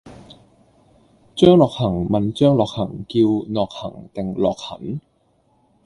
張諾恒問張樂痕叫諾恒定樂痕？